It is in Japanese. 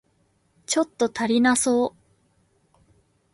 ちょっと足りなそう